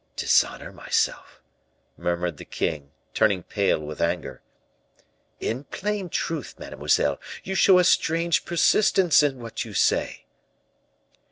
"Dishonor myself!" murmured the king, turning pale with anger. "In plain truth, mademoiselle, you show a strange persistence in what you say."